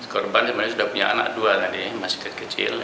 korban sebenarnya sudah punya anak dua tadi masih kecil